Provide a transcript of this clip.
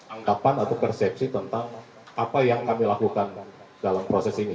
anggapan atau persepsi tentang apa yang kami lakukan dalam proses ini